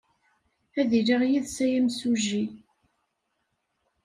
Ad iliɣ yid-s a imsujji.